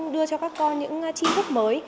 đưa cho các con những chi thức mới